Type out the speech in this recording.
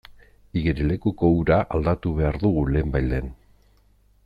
Igerilekuko ura aldatu behar dugu lehenbailehen.